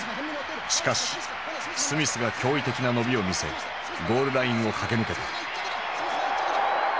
しかしスミスが驚異的な伸びを見せゴールラインを駆け抜けた。